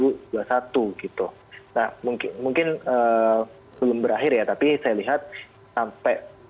nah mungkin belum berakhir ya tapi saya lihat sampai